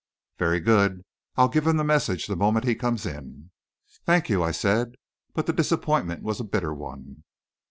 "Very good. I'll give him the message the moment he comes in." "Thank you," I said, but the disappointment was a bitter one.